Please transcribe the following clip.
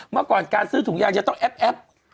เมื่อก่อนการซื้อถุงยางจะต้องแอป